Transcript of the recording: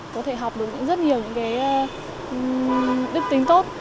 có thể học được rất nhiều những cái đức tính tốt